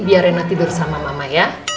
biar rena tidur sama mama ya